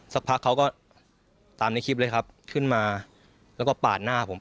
สักพักเขาก็ตามในคลิปเลยครับขึ้นมาแล้วก็ปาดหน้าผม